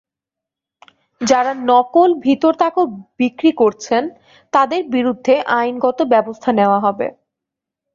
যাঁরা নকল ভিরতাকো বিক্রি করছেন তাঁদের বিরুদ্ধে আইনগত ব্যবস্থা নেওয়া হবে।